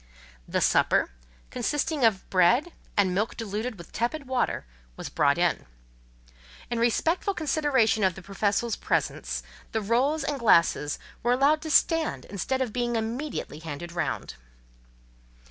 The supper, consisting of bread, and milk diluted with tepid water, was brought in. In respectful consideration of the Professor's presence, the rolls and glasses were allowed to stand instead of being immediately handed round.